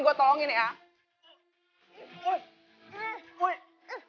bukan ada ditolongin malah ditekan tekan kayak gitu